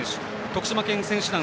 徳島県選手団